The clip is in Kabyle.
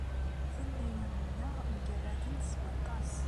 Tannayin-nneɣ mgerradent s waṭas.